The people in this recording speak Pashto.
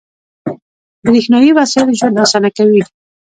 • برېښنايي وسایل ژوند اسانه کوي.